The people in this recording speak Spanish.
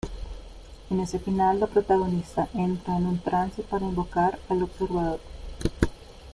En ese final la protagonista entra en un trance para invocar al Observador.